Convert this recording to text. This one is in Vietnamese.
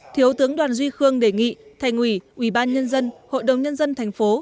thiếu tướng đoàn duy khương đề nghị thành ủy ủy ban nhân dân hội đồng nhân dân tp